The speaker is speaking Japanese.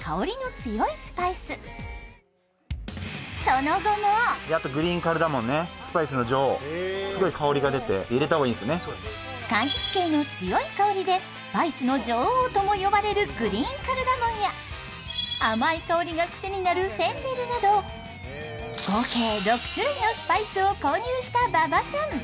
その後も柑橘系の強い香りでスパイスの女王とも呼ばれるグリーンカルダモンや甘い香りがクセになるフェンネルなど合計６種類のスパイスを購入した馬場さん。